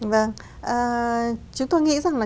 vâng chúng tôi nghĩ rằng là